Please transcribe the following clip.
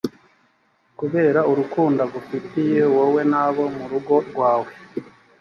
kubera urukundo agufitiye, wowe n’abo mu rugo rwawe,